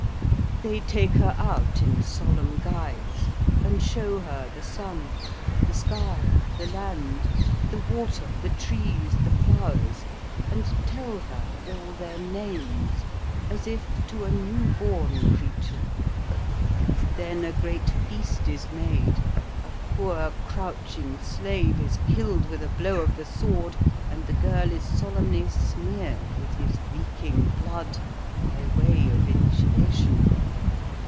They take her out in solemn guise and show her the sun, the sky, the land, the water, the trees, the flowers, and tell her all their names, as if to a newborn creature. Then a great feast is made, a poor crouching slave is killed with a blow of the sword, and the girl is solemnly smeared with his reeking blood, by way of initiation.